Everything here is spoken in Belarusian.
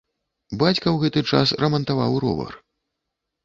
Бацька ў гэты час рамантаваў ровар.